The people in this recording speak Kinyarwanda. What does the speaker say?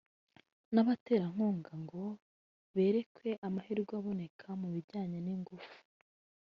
n’abaterankunga ngo berekwe amahirwe aboneka mu bijyanye n’ingufu